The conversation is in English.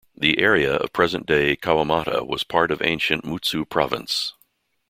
The area of present-day Kawamata was part of ancient Mutsu Province.